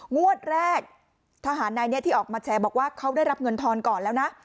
งวดแรกทหารนายนี้ที่ออกมาแชร์บอกว่าเขาได้รับเงินทอนก่อนแล้วนะ